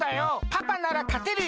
パパならかてるよ。